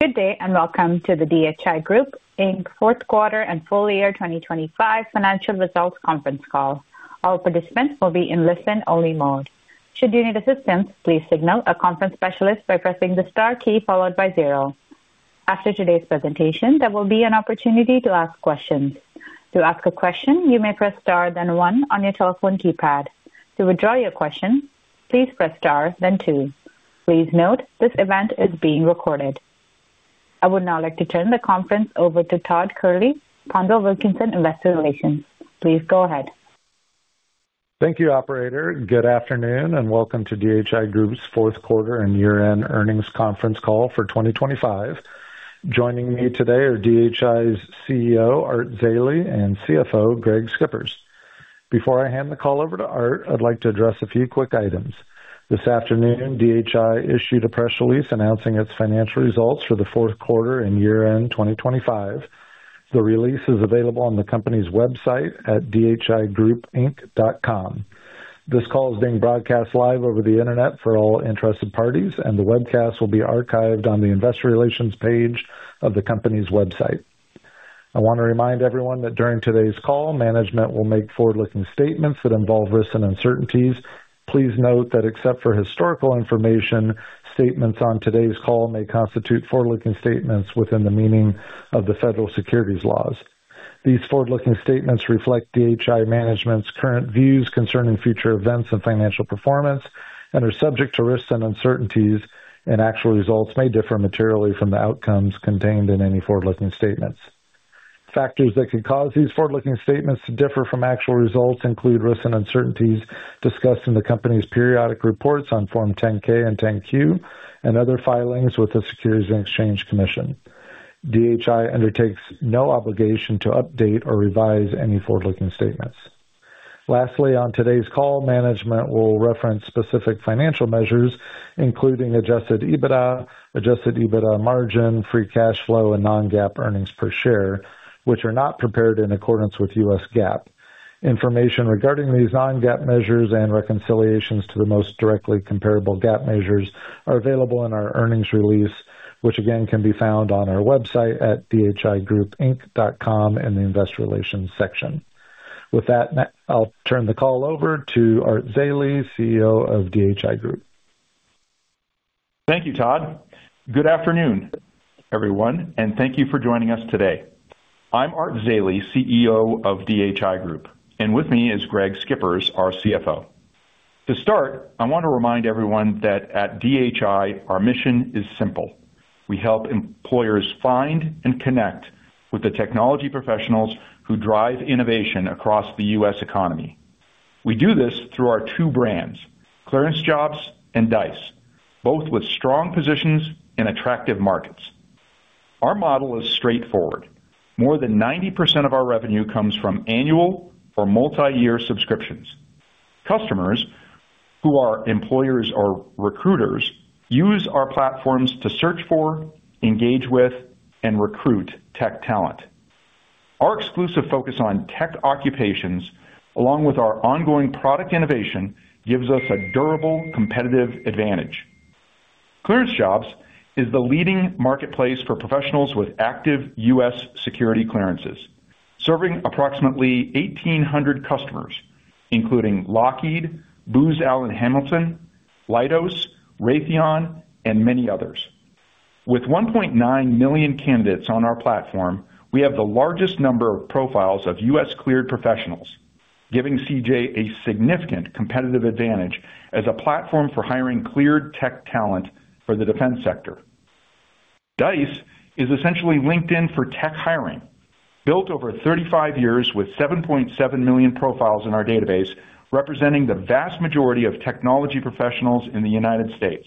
Good day and welcome to the DHI Group, Inc. fourth quarter and full year 2025 financial results conference call. All participants will be in listen-only mode. Should you need assistance, please signal a conference specialist by pressing the star key followed by zero. After today's presentation, there will be an opportunity to ask questions. To ask a question, you may press star then one on your telephone keypad. To withdraw your question, please press star then two. Please note, this event is being recorded. I would now like to turn the conference over to Todd Kehrli, PondelWilkinson Investor Relations. Please go ahead. Thank you, operator. Good afternoon and welcome to DHI Group's fourth quarter and year-end earnings conference call for 2025. Joining me today are DHI's CEO, Art Zeile, and CFO, Greg Schippers. Before I hand the call over to Art, I'd like to address a few quick items. This afternoon, DHI issued a press release announcing its financial results for the fourth quarter and year-end 2025. The release is available on the company's website at DHIGroupInc.com. This call is being broadcast live over the internet for all interested parties, and the webcast will be archived on the Investor Relations page of the company's website. I want to remind everyone that during today's call, management will make forward-looking statements that involve risks and uncertainties. Please note that except for historical information, statements on today's call may constitute forward-looking statements within the meaning of the federal securities laws. These forward-looking statements reflect DHI management's current views concerning future events and financial performance and are subject to risks and uncertainties, and actual results may differ materially from the outcomes contained in any forward-looking statements. Factors that could cause these forward-looking statements to differ from actual results include risks and uncertainties discussed in the company's periodic reports on Form 10-K and 10-Q, and other filings with the Securities and Exchange Commission. DHI undertakes no obligation to update or revise any forward-looking statements. Lastly, on today's call, management will reference specific financial measures including adjusted EBITDA, adjusted EBITDA margin, free cash flow, and non-GAAP earnings per share, which are not prepared in accordance with U.S. GAAP. Information regarding these non-GAAP measures and reconciliations to the most directly comparable GAAP measures are available in our earnings release, which again can be found on our website at DHIGroupInc.com in the Investor Relations section. With that, I'll turn the call over to Art Zeile, CEO of DHI Group. Thank you, Todd. Good afternoon, everyone, and thank you for joining us today. I'm Art Zeile, CEO of DHI Group, and with me is Greg Schippers, our CFO. To start, I want to remind everyone that at DHI, our mission is simple. We help employers find and connect with the technology professionals who drive innovation across the U.S. economy. We do this through our two brands, ClearanceJobs and Dice, both with strong positions in attractive markets. Our model is straightforward. More than 90% of our revenue comes from annual or multi-year subscriptions. Customers, who are employers or recruiters, use our platforms to search for, engage with, and recruit tech talent. Our exclusive focus on tech occupations, along with our ongoing product innovation, gives us a durable competitive advantage. ClearanceJobs is the leading marketplace for professionals with active U.S. security clearances, serving approximately 1,800 customers, including Lockheed, Booz Allen Hamilton, Leidos, Raytheon, and many others. With 1.9 million candidates on our platform, we have the largest number of profiles of U.S.-cleared professionals, giving CJ a significant competitive advantage as a platform for hiring cleared tech talent for the defense sector. Dice is essentially LinkedIn for tech hiring, built over 35 years with 7.7 million profiles in our database representing the vast majority of technology professionals in the United States.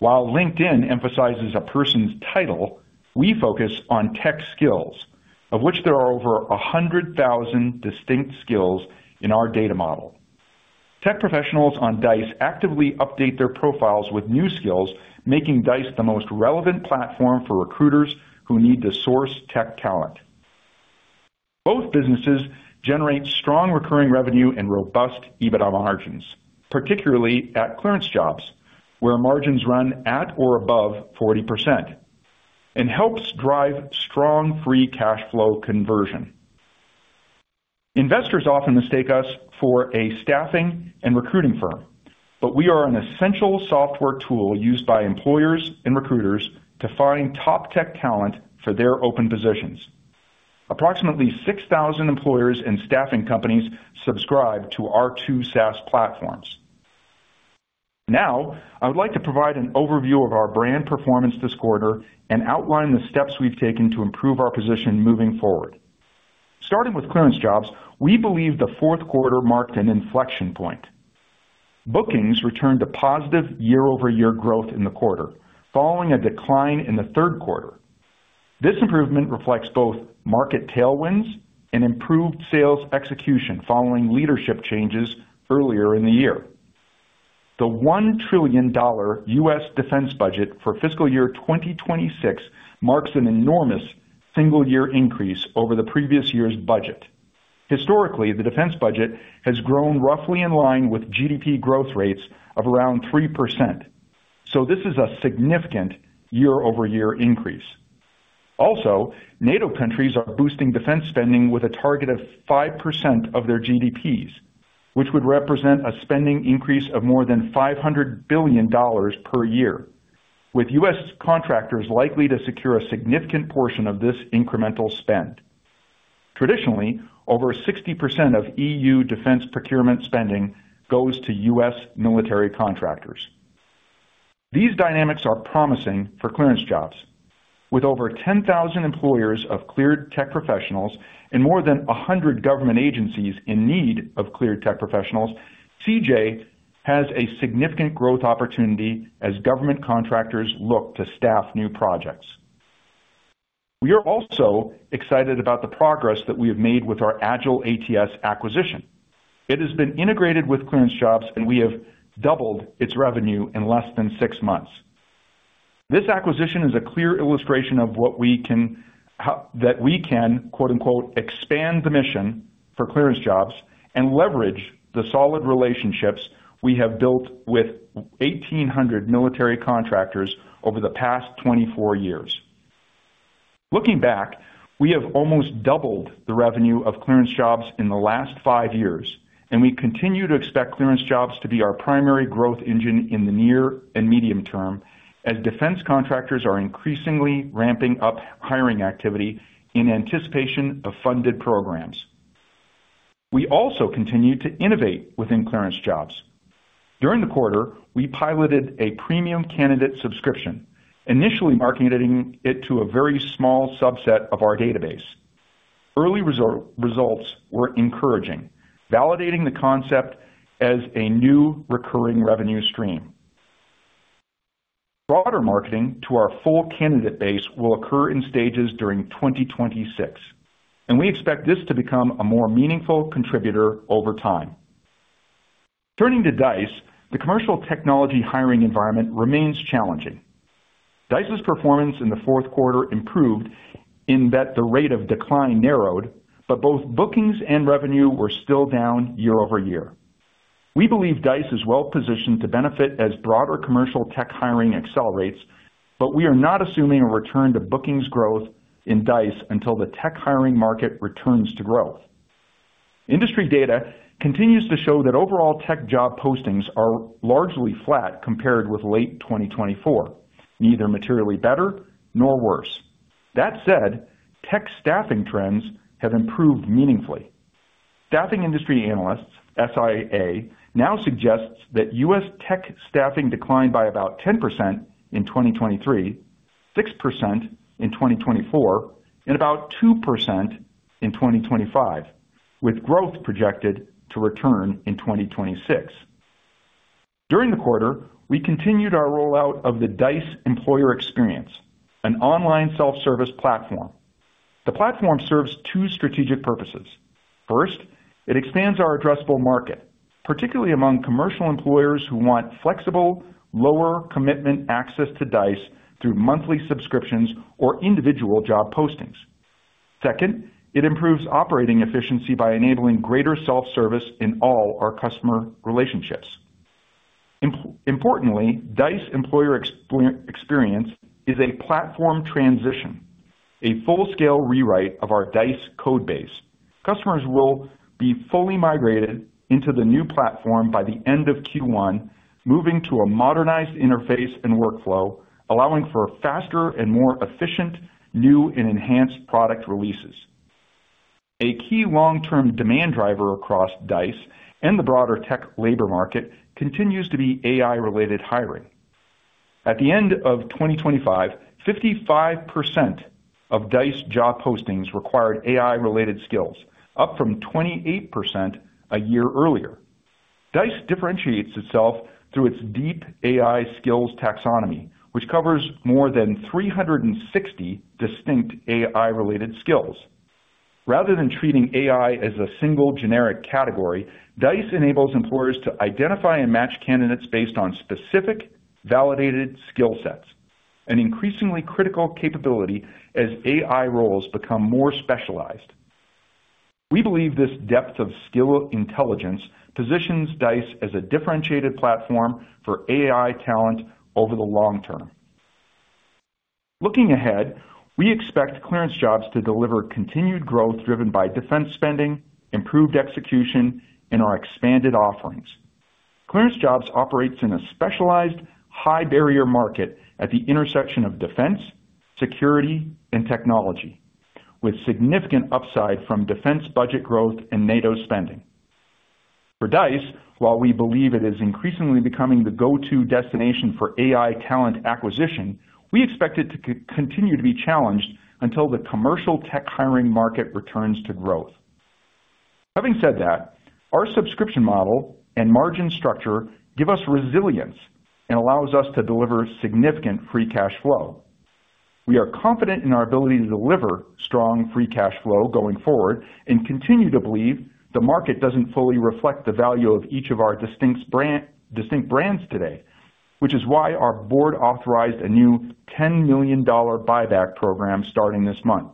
While LinkedIn emphasizes a person's title, we focus on tech skills, of which there are over 100,000 distinct skills in our data model. Tech professionals on Dice actively update their profiles with new skills, making Dice the most relevant platform for recruiters who need to source tech talent. Both businesses generate strong recurring revenue and robust EBITDA margins, particularly at ClearanceJobs, where margins run at or above 40%, and helps drive strong free cash flow conversion. Investors often mistake us for a staffing and recruiting firm, but we are an essential software tool used by employers and recruiters to find top tech talent for their open positions. Approximately 6,000 employers and staffing companies subscribe to our two SaaS platforms. Now, I would like to provide an overview of our brand performance this quarter and outline the steps we've taken to improve our position moving forward. Starting with ClearanceJobs, we believe the fourth quarter marked an inflection point. Bookings returned to positive year-over-year growth in the quarter, following a decline in the third quarter. This improvement reflects both market tailwinds and improved sales execution following leadership changes earlier in the year. The $1 trillion U.S. defense budget for fiscal year 2026 marks an enormous single-year increase over the previous year's budget. Historically, the defense budget has grown roughly in line with GDP growth rates of around 3%, so this is a significant year-over-year increase. Also, NATO countries are boosting defense spending with a target of 5% of their GDPs, which would represent a spending increase of more than $500 billion per year, with U.S. contractors likely to secure a significant portion of this incremental spend. Traditionally, over 60% of EU defense procurement spending goes to U.S. military contractors. These dynamics are promising for ClearanceJobs. With over 10,000 employers of cleared tech professionals and more than 100 government agencies in need of cleared tech professionals, CJ has a significant growth opportunity as government contractors look to staff new projects. We are also excited about the progress that we have made with our AgileATS acquisition. It has been integrated with ClearanceJobs, and we have doubled its revenue in less than six months. This acquisition is a clear illustration of that we can "expand the mission" for ClearanceJobs and leverage the solid relationships we have built with 1,800 military contractors over the past 24 years. Looking back, we have almost doubled the revenue of ClearanceJobs in the last five years, and we continue to expect ClearanceJobs to be our primary growth engine in the near and medium term as defense contractors are increasingly ramping up hiring activity in anticipation of funded programs. We also continue to innovate within ClearanceJobs. During the quarter, we piloted a premium candidate subscription, initially marketing it to a very small subset of our database. Early results were encouraging, validating the concept as a new recurring revenue stream. Broader marketing to our full candidate base will occur in stages during 2026, and we expect this to become a more meaningful contributor over time. Turning to Dice, the commercial technology hiring environment remains challenging. Dice's performance in the fourth quarter improved in that the rate of decline narrowed, but both bookings and revenue were still down year-over-year. We believe Dice is well positioned to benefit as broader commercial tech hiring accelerates, but we are not assuming a return to bookings growth in Dice until the tech hiring market returns to growth. Industry data continues to show that overall tech job postings are largely flat compared with late 2024, neither materially better nor worse. That said, tech staffing trends have improved meaningfully. Staffing Industry Analysts, SIA, now suggest that U.S. tech staffing declined by about 10% in 2023, 6% in 2024, and about 2% in 2025, with growth projected to return in 2026. During the quarter, we continued our rollout of the Dice Employer Experience, an online self-service platform. The platform serves two strategic purposes. First, it expands our addressable market, particularly among commercial employers who want flexible, lower commitment access to Dice through monthly subscriptions or individual job postings. Second, it improves operating efficiency by enabling greater self-service in all our customer relationships. Importantly, Dice Employer Experience is a platform transition, a full-scale rewrite of our Dice code base. Customers will be fully migrated into the new platform by the end of Q1, moving to a modernized interface and workflow, allowing for faster and more efficient new and enhanced product releases. A key long-term demand driver across Dice and the broader tech labor market continues to be AI-related hiring. At the end of 2025, 55% of Dice job postings required AI-related skills, up from 28% a year earlier. Dice differentiates itself through its deep AI skills taxonomy, which covers more than 360 distinct AI-related skills. Rather than treating AI as a single generic category, Dice enables employers to identify and match candidates based on specific validated skill sets, an increasingly critical capability as AI roles become more specialized. We believe this depth of skill intelligence positions Dice as a differentiated platform for AI talent over the long term. Looking ahead, we expect ClearanceJobs to deliver continued growth driven by defense spending, improved execution, and our expanded offerings. ClearanceJobs operates in a specialized, high-barrier market at the intersection of defense, security, and technology, with significant upside from defense budget growth and NATO spending. For Dice, while we believe it is increasingly becoming the go-to destination for AI talent acquisition, we expect it to continue to be challenged until the commercial tech hiring market returns to growth. Having said that, our subscription model and margin structure give us resilience and allow us to deliver significant free cash flow. We are confident in our ability to deliver strong free cash flow going forward and continue to believe the market doesn't fully reflect the value of each of our distinct brands today, which is why our board authorized a new $10 million buyback program starting this month.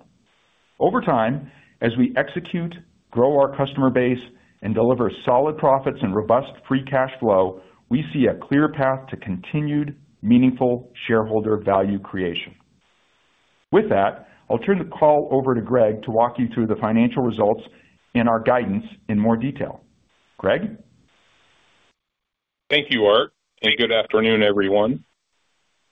Over time, as we execute, grow our customer base, and deliver solid profits and robust free cash flow, we see a clear path to continued meaningful shareholder value creation. With that, I'll turn the call over to Greg to walk you through the financial results and our guidance in more detail. Greg? Thank you, Art, and good afternoon, everyone.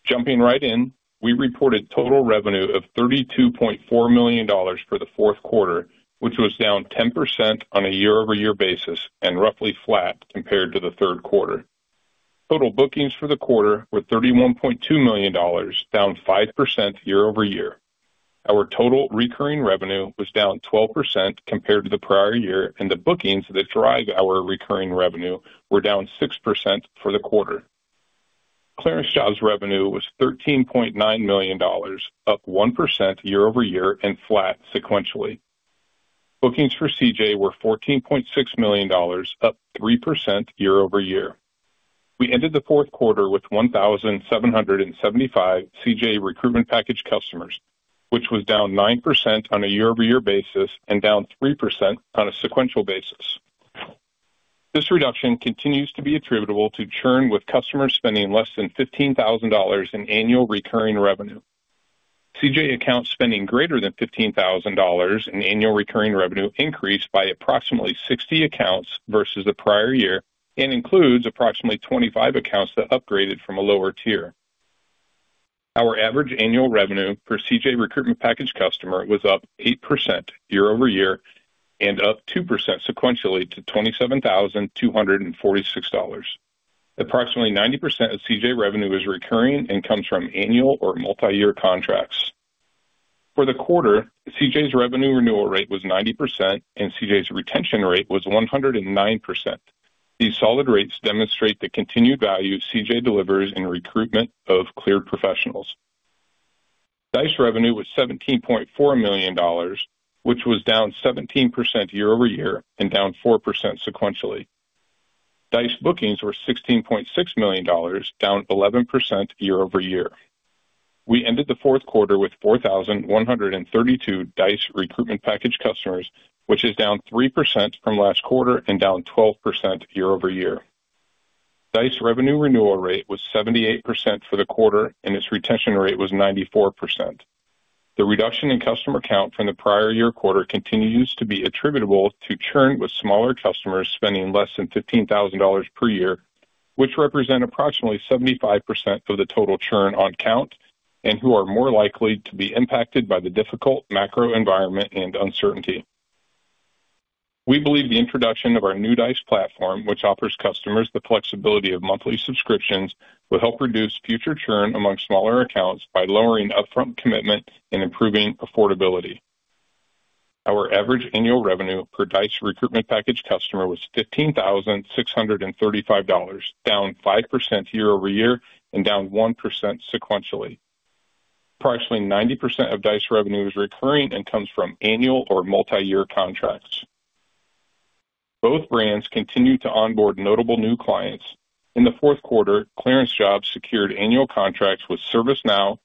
Jumping right in, we reported total revenue of $32.4 million for the fourth quarter, which was down 10% on a year-over-year basis and roughly flat compared to the third quarter. Total bookings for the quarter were $31.2 million, down 5% year-over-year. Our total recurring revenue was down 12% compared to the prior year, and the bookings that drive our recurring revenue were down 6% for the quarter. ClearanceJobs revenue was $13.9 million, up 1% year-over-year and flat sequentially. Bookings for CJ were $14.6 million, up 3% year-over-year. We ended the fourth quarter with 1,775 CJ recruitment package customers, which was down 9% on a year-over-year basis and down 3% on a sequential basis. This reduction continues to be attributable to churn with customers spending less than $15,000 in annual recurring revenue. CJ accounts spending greater than $15,000 in annual recurring revenue increased by approximately 60 accounts versus the prior year and includes approximately 25 accounts that upgraded from a lower tier. Our average annual revenue per CJ recruitment package customer was up 8% year-over-year and up 2% sequentially to $27,246. Approximately 90% of CJ revenue is recurring and comes from annual or multi-year contracts. For the quarter, CJ's revenue renewal rate was 90%, and CJ's retention rate was 109%. These solid rates demonstrate the continued value CJ delivers in recruitment of cleared professionals. Dice revenue was $17.4 million, which was down 17% year-over-year and down 4% sequentially. Dice bookings were $16.6 million, down 11% year-over-year. We ended the fourth quarter with 4,132 Dice recruitment package customers, which is down 3% from last quarter and down 12% year-over-year. Dice revenue renewal rate was 78% for the quarter, and its retention rate was 94%. The reduction in customer count from the prior year quarter continues to be attributable to churn with smaller customers spending less than $15,000 per year, which represent approximately 75% of the total churn on count and who are more likely to be impacted by the difficult macro environment and uncertainty. We believe the introduction of our new Dice platform, which offers customers the flexibility of monthly subscriptions, will help reduce future churn among smaller accounts by lowering upfront commitment and improving affordability. Our average annual revenue per Dice recruitment package customer was $15,635, down 5% year-over-year and down 1% sequentially. Approximately 90% of Dice revenue is recurring and comes from annual or multi-year contracts. Both brands continue to onboard notable new clients. In the fourth quarter, ClearanceJobs secured annual contracts with ServiceNow,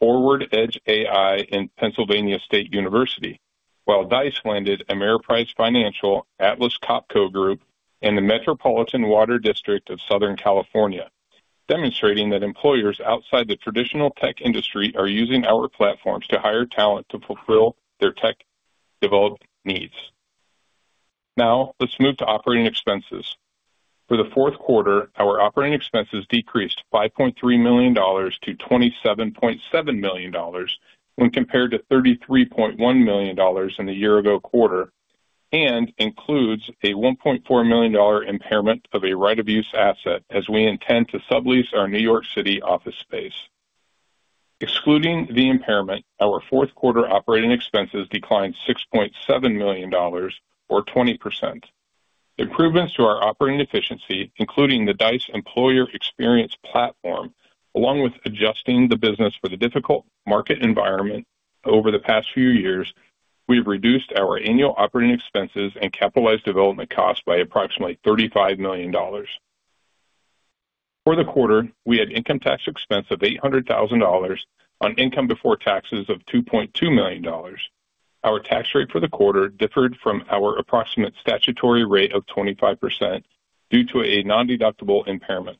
Forward Edge-AI, and Pennsylvania State University, while Dice landed Ameriprise Financial, Atlas Copco Group, and the Metropolitan Water District of Southern California, demonstrating that employers outside the traditional tech industry are using our platforms to hire talent to fulfill their tech-developed needs. Now, let's move to operating expenses. For the fourth quarter, our operating expenses decreased $5.3 million to $27.7 million when compared to $33.1 million in the year-ago quarter and includes a $1.4 million impairment of a right-of-use asset as we intend to sublease our New York City office space. Excluding the impairment, our fourth quarter operating expenses declined $6.7 million or 20%. Improvements to our operating efficiency, including the Dice Employer Experience platform, along with adjusting the business for the difficult market environment over the past few years, we have reduced our annual operating expenses and capitalized development costs by approximately $35 million. For the quarter, we had income tax expense of $800,000 on income before taxes of $2.2 million. Our tax rate for the quarter differed from our approximate statutory rate of 25% due to a non-deductible impairment.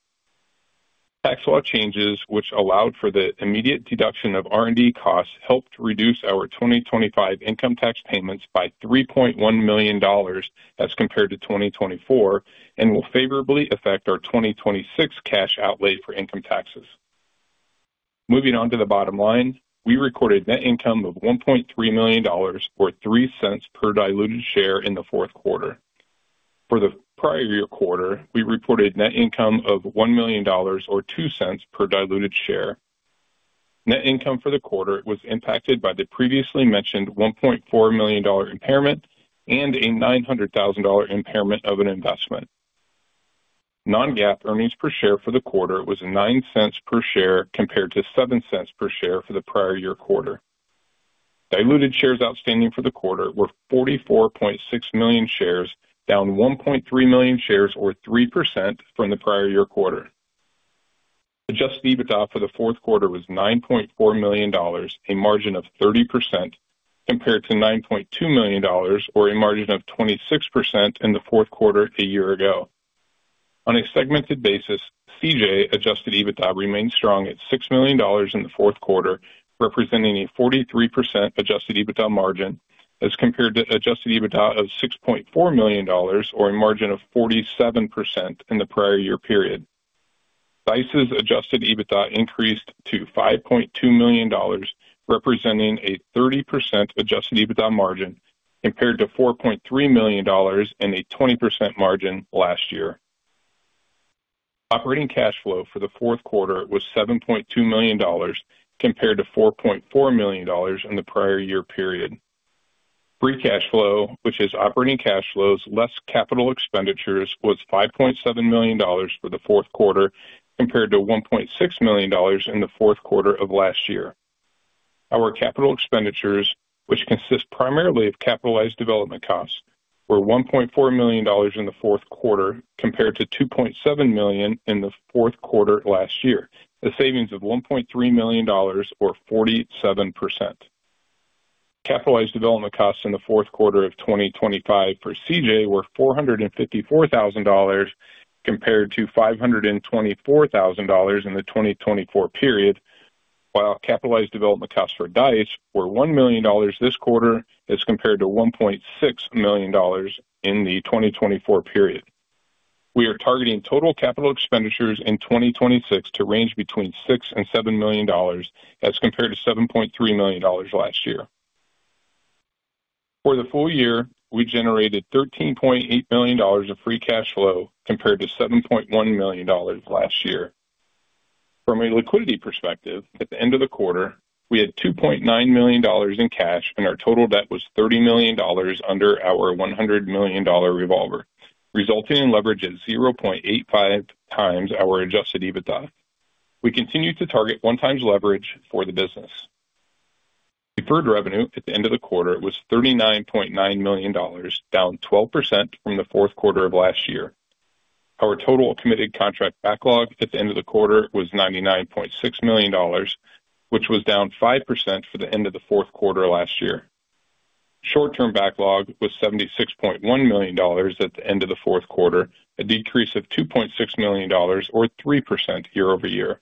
Tax law changes, which allowed for the immediate deduction of R&D costs, helped reduce our 2025 income tax payments by $3.1 million as compared to 2024 and will favorably affect our 2026 cash outlay for income taxes. Moving on to the bottom line, we recorded net income of $1.3 million or $0.03 per diluted share in the fourth quarter. For the prior year quarter, we reported net income of $1 million or $0.02 per diluted share. Net income for the quarter was impacted by the previously mentioned $1.4 million impairment and a $900,000 impairment of an investment. Non-GAAP earnings per share for the quarter was $0.09 per share compared to $0.07 per share for the prior year quarter. Diluted shares outstanding for the quarter were 44.6 million shares, down 1.3 million shares or 3% from the prior year quarter. Adjusted EBITDA for the fourth quarter was $9.4 million, a margin of 30% compared to $9.2 million or a margin of 26% in the fourth quarter a year ago. On a segmented basis, CJ adjusted EBITDA remained strong at $6 million in the fourth quarter, representing a 43% adjusted EBITDA margin as compared to adjusted EBITDA of $6.4 million or a margin of 47% in the prior year period. Dice's adjusted EBITDA increased to $5.2 million, representing a 30% adjusted EBITDA margin compared to $4.3 million and a 20% margin last year. Operating cash flow for the fourth quarter was $7.2 million compared to $4.4 million in the prior year period. Free cash flow, which is operating cash flows, less capital expenditures, was $5.7 million for the fourth quarter compared to $1.6 million in the fourth quarter of last year. Our capital expenditures, which consist primarily of capitalized development costs, were $1.4 million in the fourth quarter compared to $2.7 million in the fourth quarter last year, a savings of $1.3 million or 47%. Capitalized development costs in the fourth quarter of 2025 for CJ were $454,000 compared to $524,000 in the 2024 period, while capitalized development costs for Dice were $1 million this quarter as compared to $1.6 million in the 2024 period. We are targeting total capital expenditures in 2026 to range between $6 million and $7 million as compared to $7.3 million last year. For the full year, we generated $13.8 million of free cash flow compared to $7.1 million last year. From a liquidity perspective, at the end of the quarter, we had $2.9 million in cash, and our total debt was $30 million under our $100 million revolver, resulting in leverage at 0.85x our adjusted EBITDA. We continue to target 1x leverage for the business. Deferred revenue at the end of the quarter was $39.9 million, down 12% from the fourth quarter of last year. Our total committed contract backlog at the end of the quarter was $99.6 million, which was down 5% for the end of the fourth quarter last year. Short-term backlog was $76.1 million at the end of the fourth quarter, a decrease of $2.6 million or 3% year-over-year.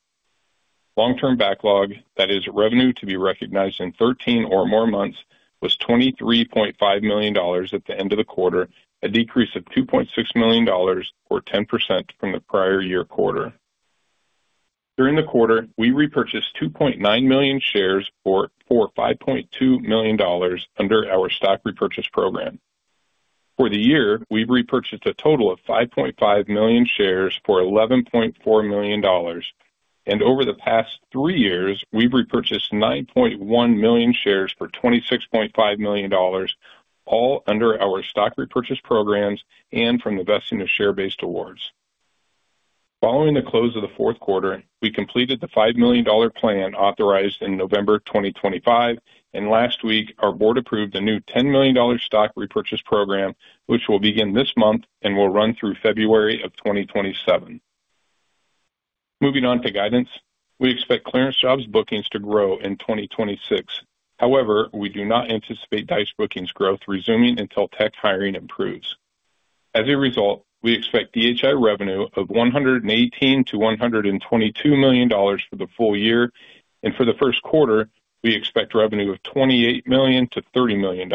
Long-term backlog, that is, revenue to be recognized in 13 or more months, was $23.5 million at the end of the quarter, a decrease of $2.6 million or 10% from the prior year quarter. During the quarter, we repurchased 2.9 million shares or $5.2 million under our stock repurchase program. For the year, we've repurchased a total of 5.5 million shares for $11.4 million. Over the past three years, we've repurchased 9.1 million shares for $26.5 million, all under our stock repurchase programs and from the vesting of share-based awards. Following the close of the fourth quarter, we completed the $5 million plan authorized in November 2025. Last week, our Board approved a new $10 million stock repurchase program, which will begin this month and will run through February of 2027. Moving on to guidance, we expect ClearanceJobs bookings to grow in 2026. However, we do not anticipate Dice bookings growth resuming until tech hiring improves. As a result, we expect DHI revenue of $118 million-$122 million for the full year. For the first quarter, we expect revenue of $28 million-$30 million.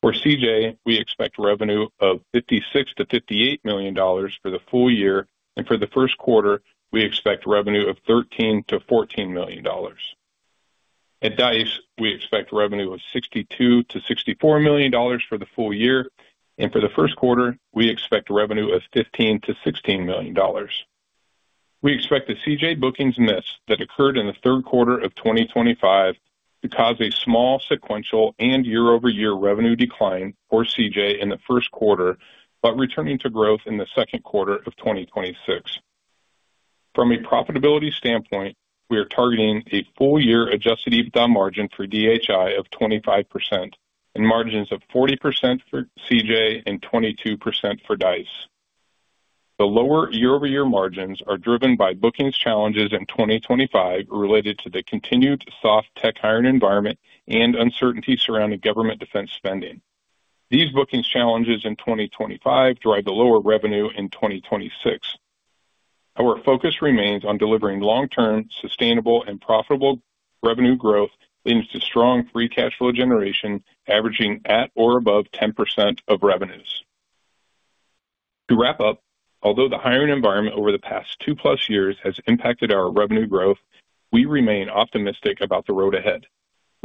For CJ, we expect revenue of $56 million-$58 million for the full year. For the first quarter, we expect revenue of $13 million-$14 million. At Dice, we expect revenue of $62 million-$64 million for the full year. For the first quarter, we expect revenue of $15 million-$16 million. We expect the CJ bookings miss that occurred in the third quarter of 2025 to cause a small sequential and year-over-year revenue decline for CJ in the first quarter but returning to growth in the second quarter of 2026. From a profitability standpoint, we are targeting a full-year adjusted EBITDA margin for DHI of 25% and margins of 40% for CJ and 22% for Dice. The lower year-over-year margins are driven by bookings challenges in 2025 related to the continued soft tech hiring environment and uncertainty surrounding government defense spending. These bookings challenges in 2025 drive the lower revenue in 2026. Our focus remains on delivering long-term, sustainable, and profitable revenue growth leading to strong free cash flow generation, averaging at or above 10% of revenues. To wrap up, although the hiring environment over the past 2+ years has impacted our revenue growth, we remain optimistic about the road ahead.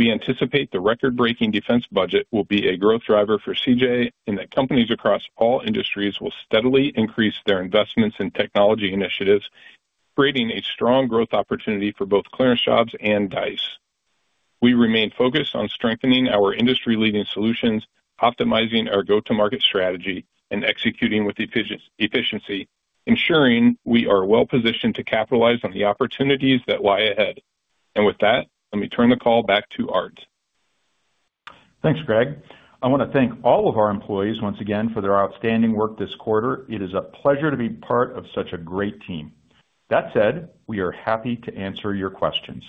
We anticipate the record-breaking defense budget will be a growth driver for CJ and that companies across all industries will steadily increase their investments in technology initiatives, creating a strong growth opportunity for both ClearanceJobs and Dice. We remain focused on strengthening our industry-leading solutions, optimizing our go-to-market strategy, and executing with efficiency, ensuring we are well-positioned to capitalize on the opportunities that lie ahead. With that, let me turn the call back to Art. Thanks, Greg. I want to thank all of our employees once again for their outstanding work this quarter. It is a pleasure to be part of such a great team. That said, we are happy to answer your questions.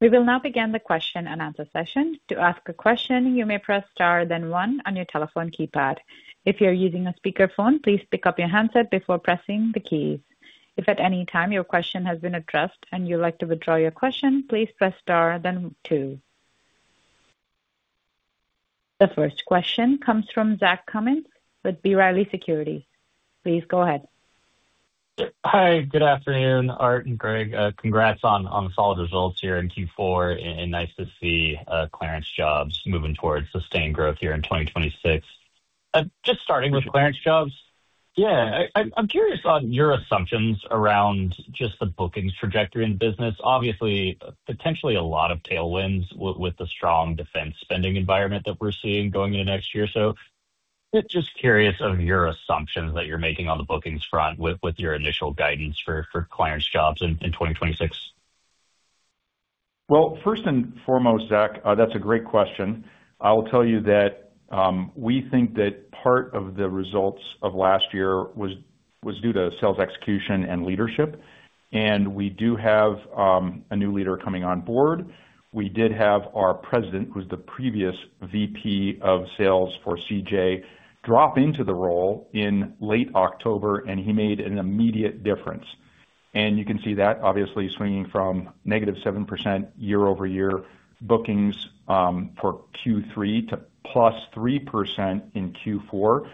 We will now begin the question and answer session. To ask a question, you may press star, then one on your telephone keypad. If you're using a speakerphone, please pick up your handset before pressing the keys. If at any time your question has been addressed and you'd like to withdraw your question, please press star then two. The first question comes from Zach Cummins with B. Riley Securities. Please go ahead. Hi. Good afternoon, Art and Greg. Congrats on solid results here in Q4, and nice to see ClearanceJobs moving towards sustained growth here in 2026. Just starting with ClearanceJobs. Yeah. I'm curious on your assumptions around just the bookings trajectory in the business. Obviously, potentially a lot of tailwinds with the strong defense spending environment that we're seeing going into next year. So just curious of your assumptions that you're making on the bookings front with your initial guidance for ClearanceJobs in 2026. Well, first and foremost, Zach, that's a great question. I will tell you that we think that part of the results of last year was due to sales execution and leadership. We do have a new leader coming on board. We did have our President, who's the previous VP of Sales for CJ, drop into the role in late October, and he made an immediate difference. You can see that, obviously, swinging from -7% year-over-year bookings for Q3 to +3% in Q4.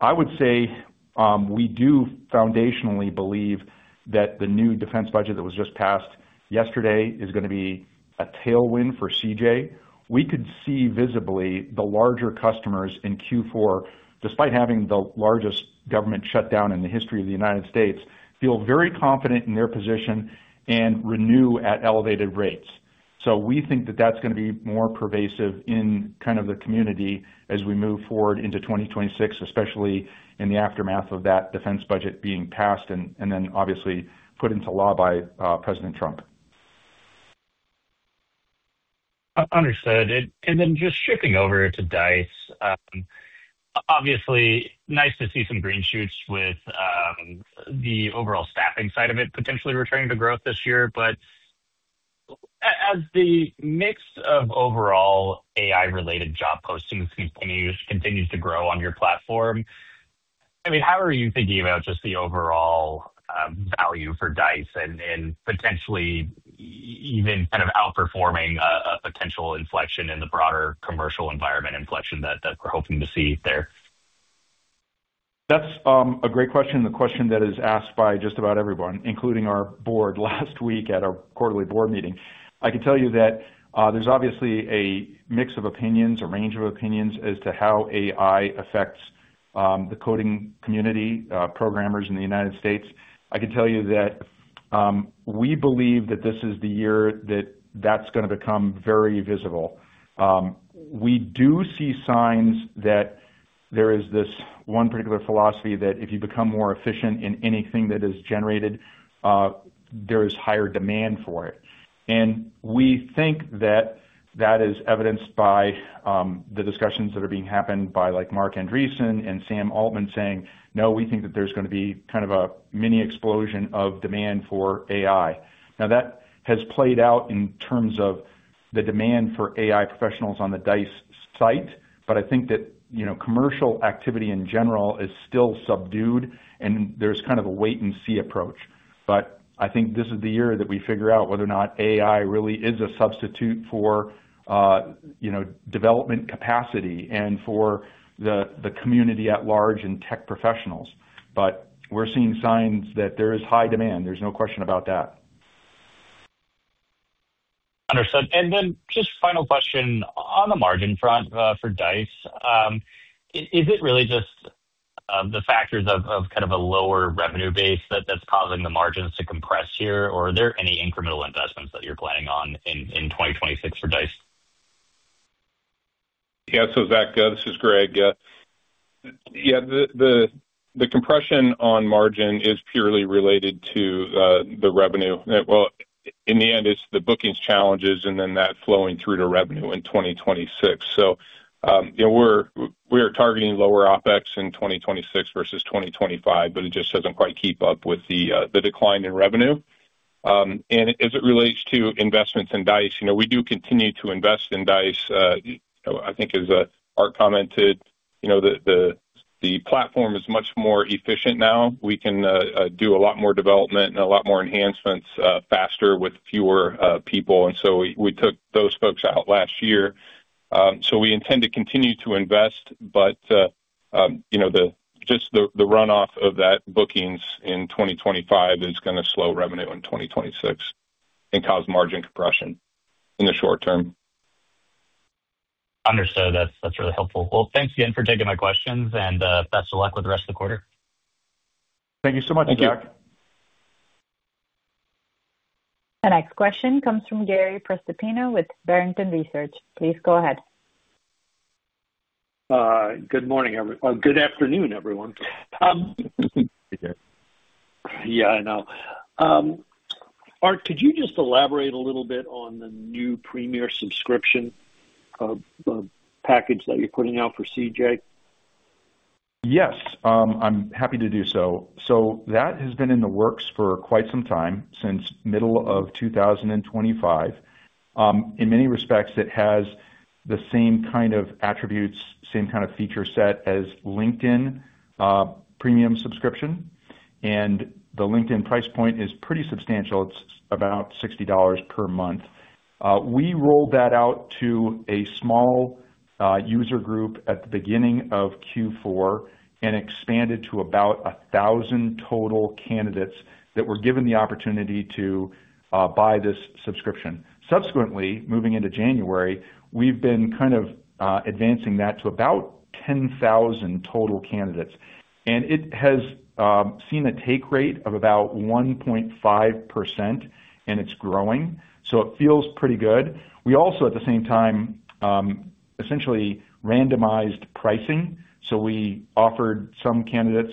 I would say we do foundationally believe that the new defense budget that was just passed yesterday is going to be a tailwind for CJ. We could see visibly the larger customers in Q4, despite having the largest government shutdown in the history of the United States, feel very confident in their position and renew at elevated rates. So we think that that's going to be more pervasive in kind of the community as we move forward into 2026, especially in the aftermath of that defense budget being passed and then, obviously, put into law by President Trump. Understood. And then just shifting over to Dice, obviously, nice to see some green shoots with the overall staffing side of it potentially returning to growth this year. But as the mix of overall AI-related job postings continues to grow on your platform, I mean, how are you thinking about just the overall value for Dice and potentially even kind of outperforming a potential inflection in the broader commercial environment inflection that we're hoping to see there? That's a great question, the question that is asked by just about everyone, including our Board last week at our quarterly Board meeting. I can tell you that there's obviously a mix of opinions, a range of opinions as to how AI affects the coding community, programmers in the United States. I can tell you that we believe that this is the year that that's going to become very visible. We do see signs that there is this one particular philosophy that if you become more efficient in anything that is generated, there is higher demand for it. And we think that that is evidenced by the discussions that are being happened by Marc Andreessen and Sam Altman saying, "No, we think that there's going to be kind of a mini explosion of demand for AI." Now, that has played out in terms of the demand for AI professionals on the Dice site. But I think that commercial activity in general is still subdued, and there's kind of a wait-and-see approach. But I think this is the year that we figure out whether or not AI really is a substitute for development capacity and for the community at large and tech professionals. But we're seeing signs that there is high demand. There's no question about that. Understood. And then just final question on the margin front for Dice. Is it really just the factors of kind of a lower revenue base that's causing the margins to compress here, or are there any incremental investments that you're planning on in 2026 for Dice? Yeah. So Zach, this is Greg. Yeah. The compression on margin is purely related to the revenue. Well, in the end, it's the bookings challenges and then that flowing through to revenue in 2026. So we are targeting lower OpEx in 2026 versus 2025, but it just doesn't quite keep up with the decline in revenue. And as it relates to investments in Dice, we do continue to invest in Dice. I think, as Art commented, the platform is much more efficient now. We can do a lot more development and a lot more enhancements faster with fewer people. And so we took those folks out last year. So we intend to continue to invest, but just the runoff of that bookings in 2025 is going to slow revenue in 2026 and cause margin compression in the short term. Understood. That's really helpful. Well, thanks again for taking my questions, and best of luck with the rest of the quarter. Thank you so much, Zach. Thank you. The next question comes from Gary Prestopino with Barrington Research. Please go ahead. Good morning, everyone. Good afternoon, everyone. Yeah, I know. Art, could you just elaborate a little bit on the new Premium subscription package that you're putting out for CJ? Yes. I'm happy to do so. So that has been in the works for quite some time, since middle of 2025. In many respects, it has the same kind of attributes, same kind of feature set as LinkedIn Premium subscription. And the LinkedIn price point is pretty substantial. It's about $60 per month. We rolled that out to a small user group at the beginning of Q4 and expanded to about 1,000 total candidates that were given the opportunity to buy this subscription. Subsequently, moving into January, we've been kind of advancing that to about 10,000 total candidates. And it has seen a take rate of about 1.5%, and it's growing. So it feels pretty good. We also, at the same time, essentially randomized pricing. So we offered some candidates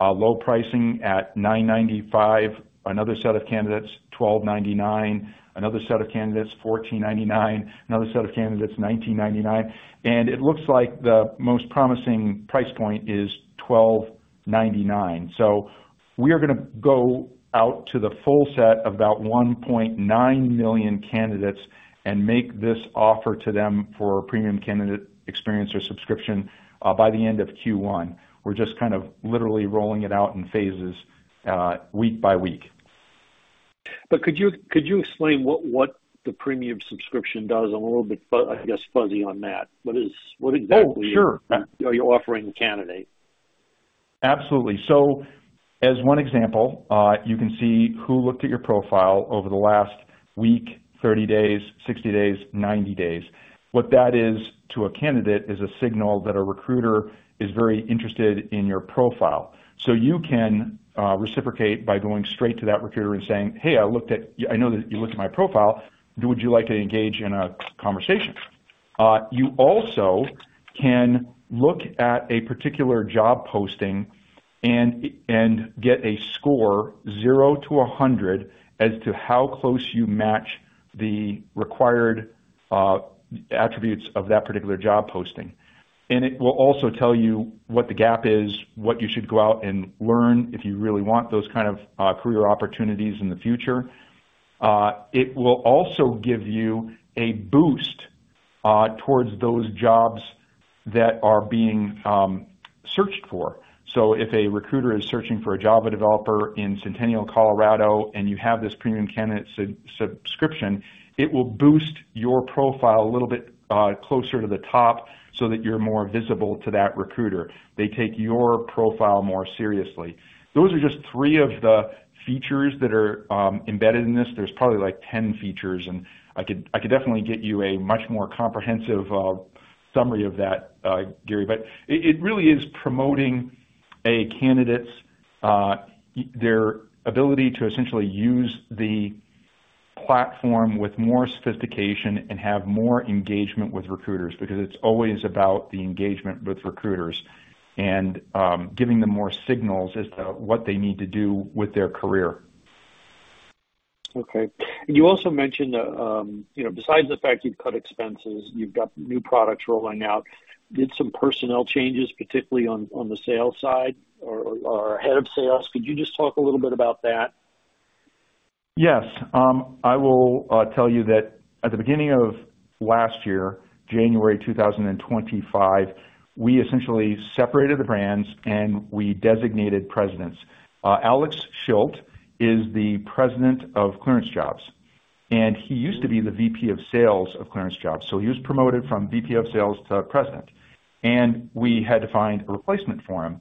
low pricing at $9.95, another set of candidates $12.99, another set of candidates $14.99, another set of candidates $19.99. It looks like the most promising price point is $12.99. So we are going to go out to the full set of about 1.9 million candidates and make this offer to them for Premium Candidate Experience or subscription by the end of Q1. We're just kind of literally rolling it out in phases week by week. But could you explain what the Premium subscription does? I'm a little bit, I guess, fuzzy on that. What exactly are you offering a candidate? Absolutely. So as one example, you can see who looked at your profile over the last week, 30 days, 60 days, 90 days. What that is to a candidate is a signal that a recruiter is very interested in your profile. So you can reciprocate by going straight to that recruiter and saying, "Hey, I know that you looked at my profile. Would you like to engage in a conversation?" You also can look at a particular job posting and get a score zero-100 as to how close you match the required attributes of that particular job posting. And it will also tell you what the gap is, what you should go out and learn if you really want those kind of career opportunities in the future. It will also give you a boost towards those jobs that are being searched for. So if a recruiter is searching for a Java Developer in Centennial, Colorado, and you have this Premium Candidate subscription, it will boost your profile a little bit closer to the top so that you're more visible to that recruiter. They take your profile more seriously. Those are just three of the features that are embedded in this. There's probably like 10 features. And I could definitely get you a much more comprehensive summary of that, Gary. But it really is promoting a candidate's ability to essentially use the platform with more sophistication and have more engagement with recruiters because it's always about the engagement with recruiters and giving them more signals as to what they need to do with their career. Okay. You also mentioned that besides the fact you've cut expenses, you've got new products rolling out. Did some personnel changes, particularly on the sales side or ahead of sales? Could you just talk a little bit about that? Yes. I will tell you that at the beginning of last year, January 2025, we essentially separated the brands, and we designated Presidents. Alex Schildt is the President of ClearanceJobs. And he used to be the VP of Sales of ClearanceJobs. So he was promoted from VP of Sales to President. And we had to find a replacement for him.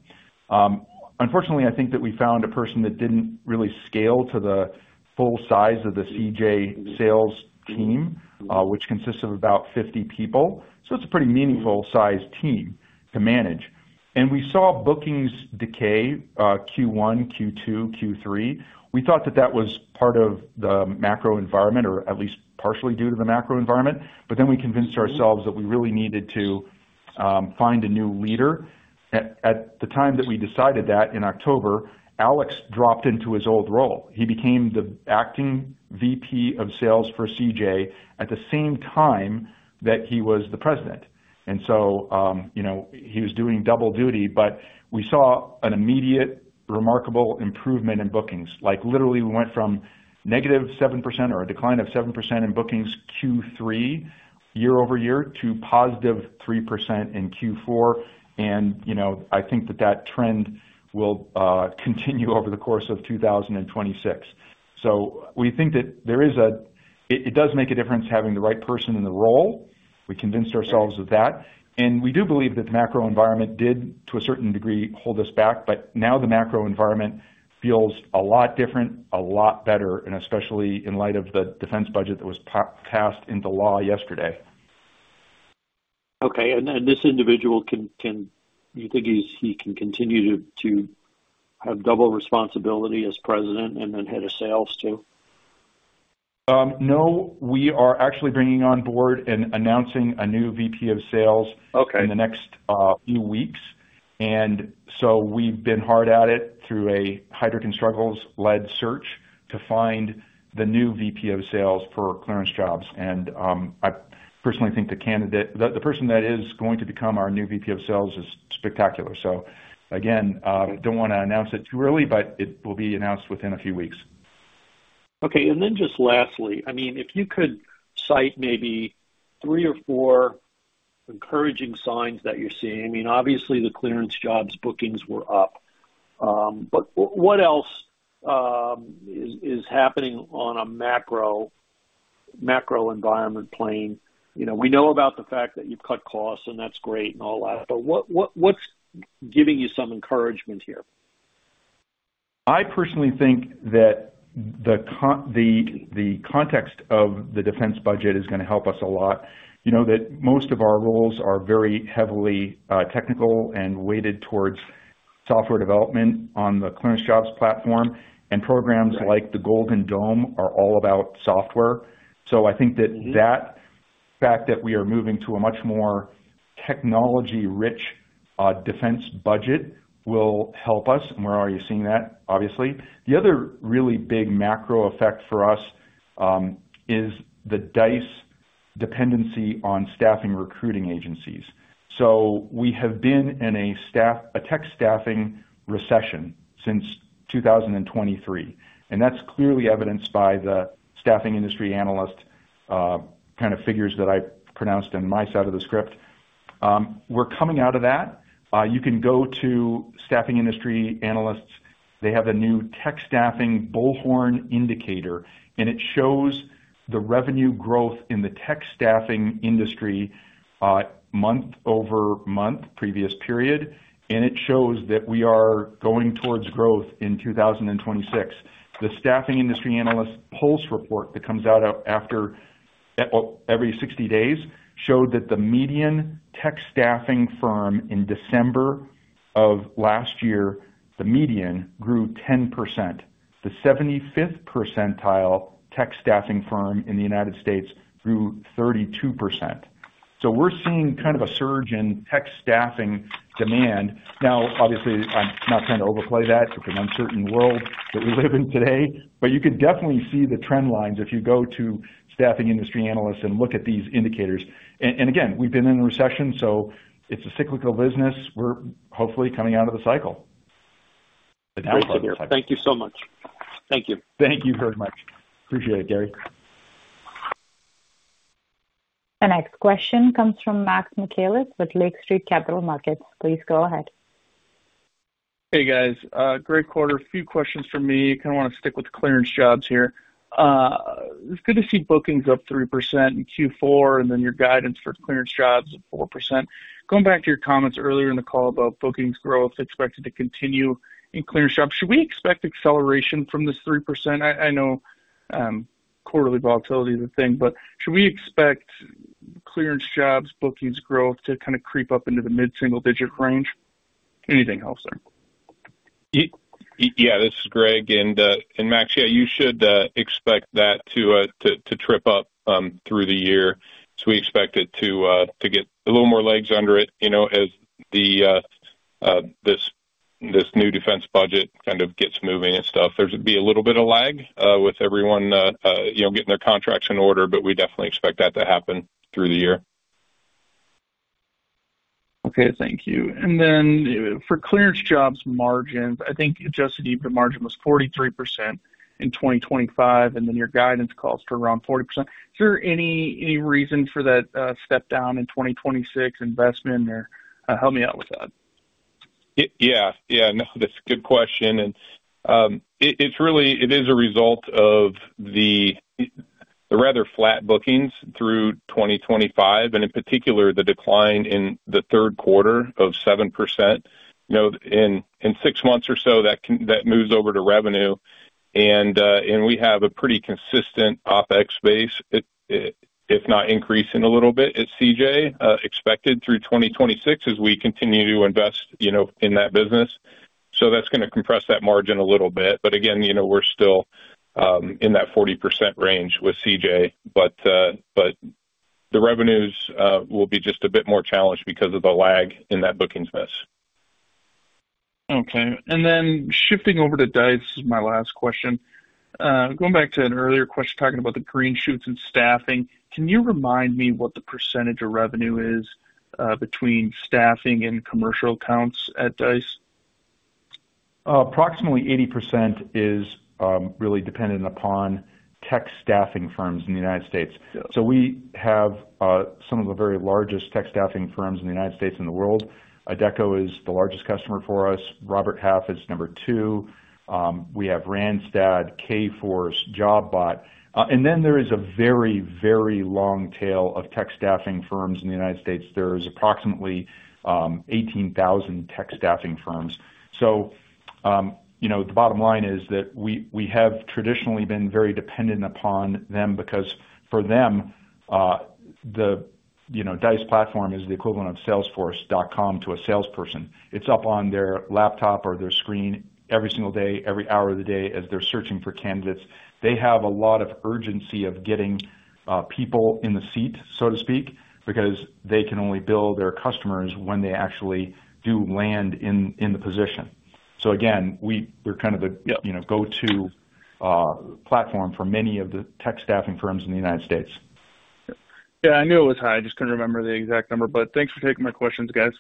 Unfortunately, I think that we found a person that didn't really scale to the full size of the CJ sales team, which consists of about 50 people. So it's a pretty meaningful-sized team to manage. And we saw bookings decay Q1, Q2, Q3. We thought that that was part of the macro environment, or at least partially due to the macro environment. But then we convinced ourselves that we really needed to find a new leader. At the time that we decided that in October, Alex dropped into his old role. He became the acting VP of Sales for CJ at the same time that he was the President. And so he was doing double duty. But we saw an immediate, remarkable improvement in bookings. Literally, we went from -7% or a decline of 7% in bookings Q3 year-over-year to +3% in Q4. And I think that that trend will continue over the course of 2026. So we think that there is a it does make a difference having the right person in the role. We convinced ourselves of that. And we do believe that the macro environment did, to a certain degree, hold us back. But now the macro environment feels a lot different, a lot better, and especially in light of the defense budget that was passed into law yesterday. Okay. This individual, do you think he can continue to have double responsibility as President and then Head of Sales too? No. We are actually bringing on board and announcing a new VP of Sales in the next few weeks. And so we've been hard at it through a Heidrick & Struggles-led search to find the new VP of Sales for ClearanceJobs. And I personally think the person that is going to become our new VP of Sales is spectacular. So again, don't want to announce it too early, but it will be announced within a few weeks. Okay. And then just lastly, I mean, if you could cite maybe three or four encouraging signs that you're seeing. I mean, obviously, the ClearanceJobs bookings were up. But what else is happening on a macro environment plain? We know about the fact that you've cut costs, and that's great and all that. But what's giving you some encouragement here? I personally think that the context of the defense budget is going to help us a lot, that most of our roles are very heavily technical and weighted towards software development on the ClearanceJobs platform. And programs like the Golden Dome are all about software. So I think that that fact that we are moving to a much more technology-rich defense budget will help us. And we're already seeing that, obviously. The other really big macro effect for us is the Dice dependency on staffing recruiting agencies. So we have been in a tech staffing recession since 2023. And that's clearly evidenced by the Staffing Industry Analysts kind of figures that I pronounced on my side of the script. We're coming out of that. You can go to Staffing Industry Analysts. They have a new tech staffing Bullhorn indicator. And it shows the revenue growth in the tech staffing industry month-over-month, previous period. And it shows that we are going towards growth in 2026. The Staffing Industry Analysts Pulse report that comes out every 60 days showed that the median tech staffing firm in December of last year, the median, grew 10%. The 75th percentile tech staffing firm in the United States grew 32%. So we're seeing kind of a surge in tech staffing demand. Now, obviously, I'm not trying to overplay that. It's an uncertain world that we live in today. But you can definitely see the trend lines if you go to Staffing Industry Analysts and look at these indicators. And again, we've been in a recession, so it's a cyclical business. We're hopefully coming out of the cycle. Thank you so much. Thank you. Thank you very much. Appreciate it, Gary. The next question comes from Max Michaelis with Lake Street Capital Markets. Please go ahead. Hey, guys. Great quarter. A few questions from me. Kind of want to stick with ClearanceJobs here. It's good to see bookings up 3% in Q4 and then your guidance for ClearanceJobs at 4%. Going back to your comments earlier in the call about bookings growth expected to continue in ClearanceJobs, should we expect acceleration from this 3%? I know quarterly volatility is a thing, but should we expect ClearanceJobs bookings growth to kind of creep up into the mid-single-digit range? Anything else there? Yeah. This is Greg. And Max, yeah, you should expect that to trip up through the year. So we expect it to get a little more legs under it as this new defense budget kind of gets moving and stuff. There's going to be a little bit of lag with everyone getting their contracts in order, but we definitely expect that to happen through the year. Okay. Thank you. Then for ClearanceJobs margins, I think adjusted EBITDA margin was 43% in 2025, and then your guidance calls to around 40%. Is there any reason for that step-down in 2026 investment, or help me out with that? Yeah. Yeah. No, that's a good question. And it is a result of the rather flat bookings through 2025 and, in particular, the decline in the third quarter of 7%. In six months or so, that moves over to revenue. And we have a pretty consistent OpEx base, if not increasing a little bit at CJ, expected through 2026 as we continue to invest in that business. So that's going to compress that margin a little bit. But again, we're still in that 40% range with CJ. But the revenues will be just a bit more challenged because of the lag in that bookings miss. Okay. Then shifting over to Dice, this is my last question. Going back to an earlier question talking about the green shoots and staffing, can you remind me what the percentage of revenue is between staffing and commercial accounts at Dice? Approximately 80% is really dependent upon tech staffing firms in the United States. So we have some of the very largest tech staffing firms in the United States and the world. Adecco is the largest customer for us. Robert Half is number two. We have Randstad, Kforce, Jobot. And then there is a very, very long tail of tech staffing firms in the United States. There is approximately 18,000 tech staffing firms. So the bottom line is that we have traditionally been very dependent upon them because, for them, the Dice platform is the equivalent of Salesforce.com to a salesperson. It's up on their laptop or their screen every single day, every hour of the day as they're searching for candidates. They have a lot of urgency of getting people in the seat, so to speak, because they can only bill their customers when they actually do land in the position. So again, we're kind of the go-to platform for many of the tech staffing firms in the United States. Yeah. I knew it was high. I just couldn't remember the exact number. But thanks for taking my questions, guys.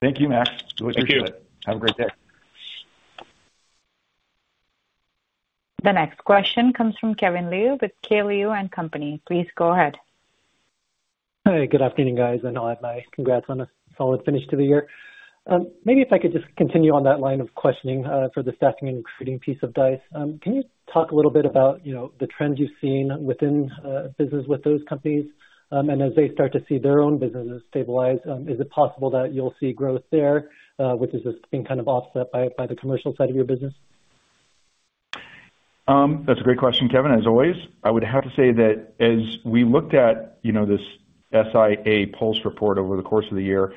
Thank you, Max. It was your pleasure. Thank you. Have a great day. The next question comes from Kevin Liu with K. Liu & Company. Please go ahead. Hi. Good afternoon, guys. I'll add my congrats on a solid finish to the year. Maybe if I could just continue on that line of questioning for the staffing and recruiting piece of Dice. Can you talk a little bit about the trends you've seen within business with those companies? And as they start to see their own businesses stabilize, is it possible that you'll see growth there, which is just being kind of offset by the commercial side of your business? That's a great question, Kevin, as always. I would have to say that as we looked at this SIA Pulse report over the course of the year,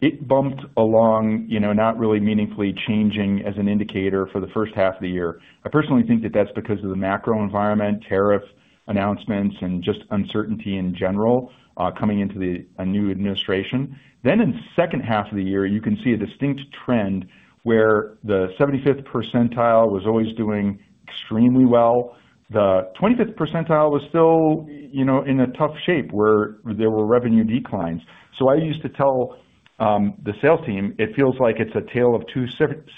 it bumped along, not really meaningfully changing as an indicator for the first half of the year. I personally think that that's because of the macro environment, tariff announcements, and just uncertainty in general coming into a new administration. Then in the second half of the year, you can see a distinct trend where the 75th percentile was always doing extremely well. The 25th percentile was still in a tough shape where there were revenue declines. So I used to tell the sales team, "It feels like it's a tale of two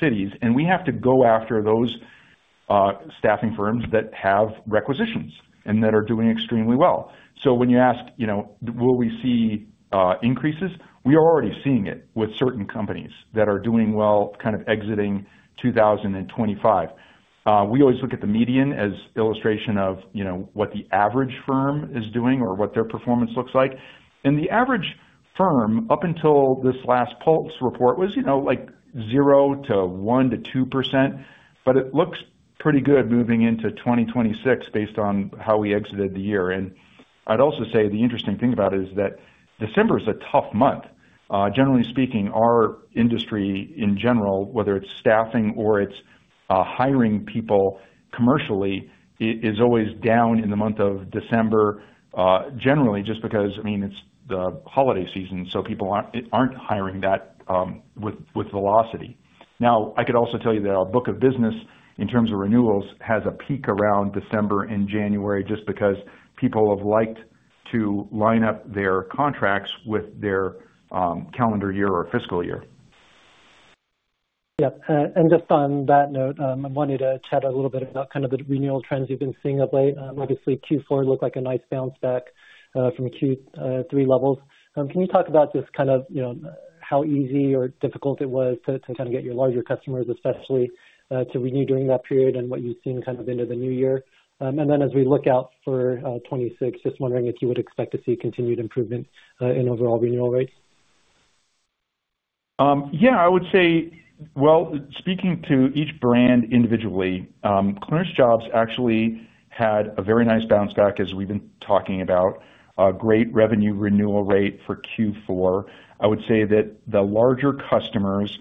cities. We have to go after those staffing firms that have requisitions and that are doing extremely well." So when you ask, "Will we see increases?" we are already seeing it with certain companies that are doing well, kind of exiting 2025. We always look at the median as illustration of what the average firm is doing or what their performance looks like. The average firm up until this last Pulse report was zero to 1% to 2%. It looks pretty good moving into 2026 based on how we exited the year. I'd also say the interesting thing about it is that December is a tough month. Generally speaking, our industry in general, whether it's staffing or it's hiring people commercially, is always down in the month of December generally just because, I mean, it's the holiday season. So people aren't hiring that with velocity. Now, I could also tell you that our book of business in terms of renewals has a peak around December and January just because people have liked to line up their contracts with their calendar year or fiscal year. Yep. And just on that note, I wanted to chat a little bit about kind of the renewal trends you've been seeing of late. Obviously, Q4 looked like a nice bounce back from Q3 levels. Can you talk about just kind of how easy or difficult it was to kind of get your larger customers, especially to renew during that period and what you've seen kind of into the new year? And then as we look out for 2026, just wondering if you would expect to see continued improvement in overall renewal rates? Yeah. I would say, well, speaking to each brand individually, ClearanceJobs actually had a very nice bounce back, as we've been talking about, a great revenue renewal rate for Q4. I would say that the larger customers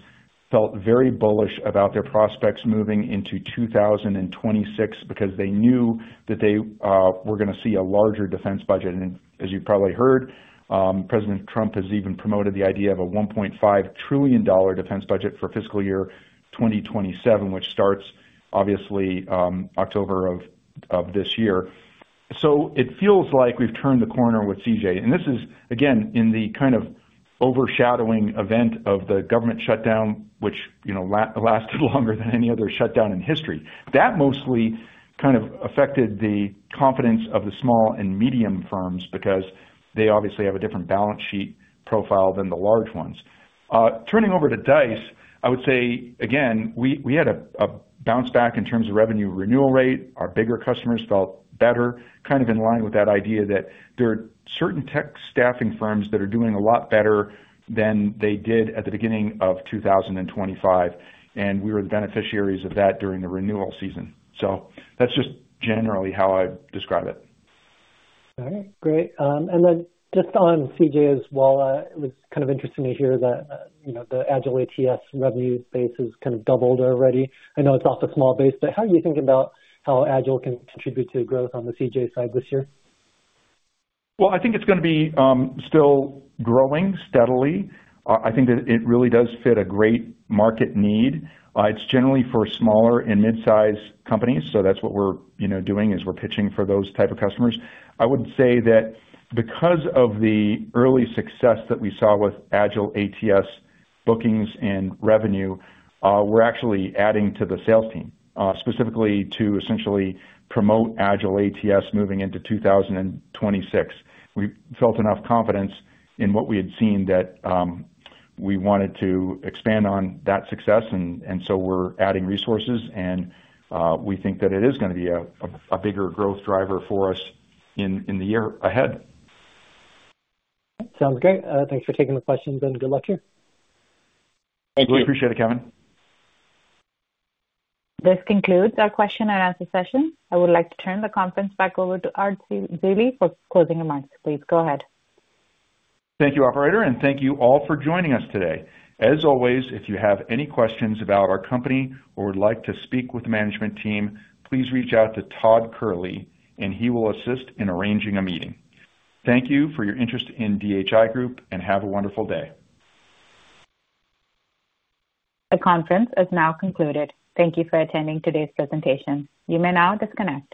felt very bullish about their prospects moving into 2026 because they knew that they were going to see a larger defense budget. And as you've probably heard, President Trump has even promoted the idea of a $1.5 trillion defense budget for fiscal year 2027, which starts, obviously, October of this year. So it feels like we've turned the corner with CJ. And this is, again, in the kind of overshadowing event of the government shutdown, which lasted longer than any other shutdown in history. That mostly kind of affected the confidence of the small and medium firms because they obviously have a different balance sheet profile than the large ones. Turning over to Dice, I would say, again, we had a bounce back in terms of revenue renewal rate. Our bigger customers felt better, kind of in line with that idea that there are certain tech staffing firms that are doing a lot better than they did at the beginning of 2025. And we were the beneficiaries of that during the renewal season. So that's just generally how I describe it. All right. Great. And then just on CJ as well, it was kind of interesting to hear that the AgileATS revenue base has kind of doubled already. I know it's off a small base, but how are you thinking about how AgileATS can contribute to growth on the CJ side this year? Well, I think it's going to be still growing steadily. I think that it really does fit a great market need. It's generally for smaller and midsize companies. So that's what we're doing, is we're pitching for those type of customers. I would say that because of the early success that we saw with AgileATS bookings and revenue, we're actually adding to the sales team, specifically to essentially promote AgileATS moving into 2026. We felt enough confidence in what we had seen that we wanted to expand on that success. And so we're adding resources. And we think that it is going to be a bigger growth driver for us in the year ahead. Sounds great. Thanks for taking the questions, and good luck here. Thank you. Appreciate it, Kevin. This concludes our question and answer session. I would like to turn the conference back over to Art Zeile for closing remarks. Please go ahead. Thank you, operator. Thank you all for joining us today. As always, if you have any questions about our company or would like to speak with the management team, please reach out to Todd Kehrli, and he will assist in arranging a meeting. Thank you for your interest in DHI Group, and have a wonderful day. The conference is now concluded. Thank you for attending today's presentation. You may now disconnect.